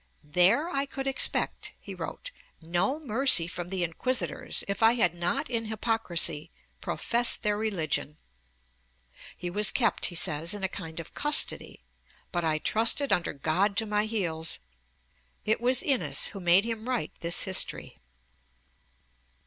'There I could expect,' he wrote, 'no mercy from the Inquisitors, if I had not in hypocrisy professed their religion' (History of Formosa, p. 25). He was kept, he says, in a kind of custody, 'but I trusted under God to my heels' (p. 24). It was Innes who made him write this History.